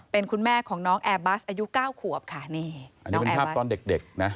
เป็นคุณแม่ของน้องแอร์บัสอายุ๙ขวบค่ะนี่น้องแอร์บัสอันนี้เป็นภาพตอนเด็กนะ